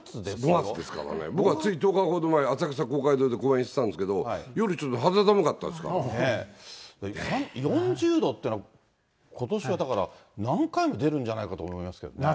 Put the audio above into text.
５月ですよ、僕、１０日ほど前、浅草公会堂で公演してたんですけど、夜ちょっと肌寒かったですか４０度っていうのは、ことしはだから、何回も出るんじゃないかと思いますけれどもね。